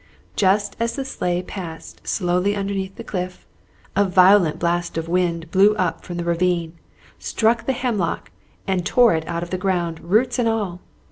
Just as the sleigh passed slowly underneath the cliff, a violent blast of wind blew up from the ravine, struck the hemlock and tore it out of the ground, roots and all.